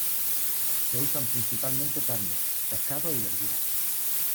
Se usan principalmente carnes, pescados y verduras.